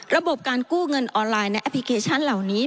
ระบบการกู้เงินออนไลน์และแอปพลิเคชันเหล่านี้